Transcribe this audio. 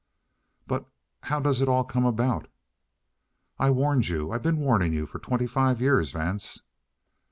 "But how does it all come about?" "I've warned you. I've been warning you for twenty five years, Vance."